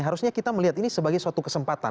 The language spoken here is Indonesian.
harusnya kita melihat ini sebagai suatu kesempatan